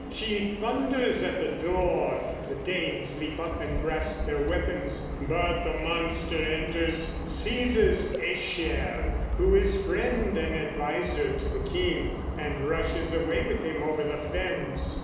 She thunders at the door; the Danes leap up and grasp their weapons; but the monster enters, seizes Aeschere, who is friend and adviser of the king, and rushes away with him over the fens.